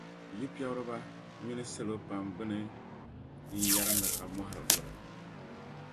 yupiɛbiriba mini salo pam bɛni n-yɛrindi ka mɔhiri vuri.